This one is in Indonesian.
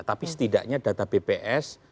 tapi setidaknya data bps